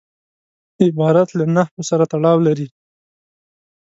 عبارت له نحو سره تړاو لري.